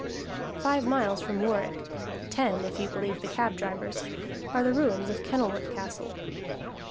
Five miles from Warwick (ten, if you believe the cab drivers) are the ruins of Kenilworth Castle.